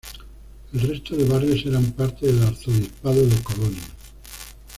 El resto de barrios eran parte del Arzobispado de Colonia.